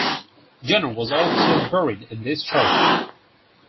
Jenner was also buried in this church.